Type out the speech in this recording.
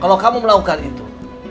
kalau kamu melakukan itu